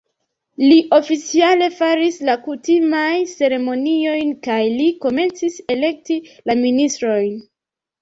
Li oficiale faris la kutimajn ceremoniojn kaj li komencis elekti la ministrojn.